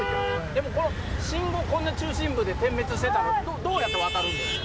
でも信号、こんな中心部で点滅してたら、どうやって渡るんですか。